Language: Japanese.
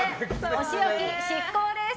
お仕置き執行です！